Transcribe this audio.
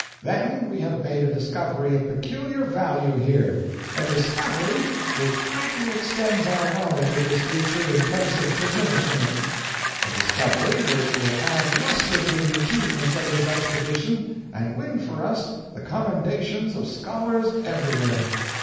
"Then we have made a discovery of peculiar value here; a discovery which greatly extends our knowledge of this creature in place of diminishing it; a discovery which will add luster to the achievements of this expedition and win for us the commendations of scholars everywhere.